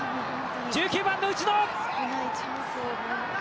１９番の内野！